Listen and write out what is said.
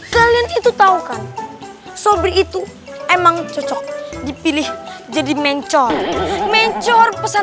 kalian itu tahu kan sobr itu emang cocok dipilih jadi mencol mencol pesan